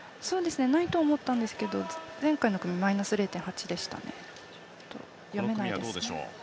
ないと思ったんですけど前の組、マイナス０．８でしたね読めないですね。